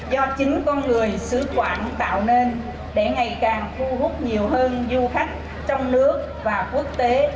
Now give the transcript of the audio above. do chính con người xứ quảng tạo nên để ngày càng thu hút nhiều hơn du khách trong nước và quốc tế